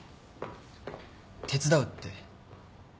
手伝うって？